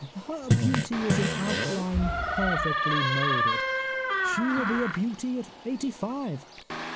Her beauty is in outline perfectly moulded. She will be a beauty at eighty five.